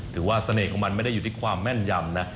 ถือว่าสเนตของมันไม่ได้อยู่ที่ความแม่นยำนะ